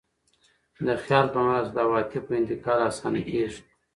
د خیال په مرسته د عواطفو انتقال اسانه کېږي.